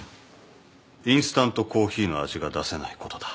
インスタントコーヒーの味が出せないことだ。